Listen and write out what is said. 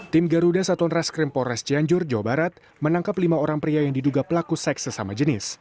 tim garuda satuan reskrim polres cianjur jawa barat menangkap lima orang pria yang diduga pelaku seks sesama jenis